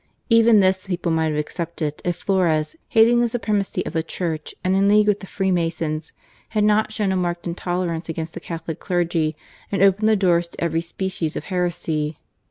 Even this the people might have accepted, if Flores, hating the supremacy of the Church and in league with the Freemasons, had not shown a marked intolerance against the Catholic clergy and opened the doors to every species of heresy.